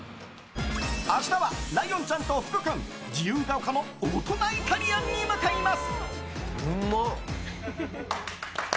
明日は、ライオンちゃんと福君自由が丘の大人イタリアンに向かいます。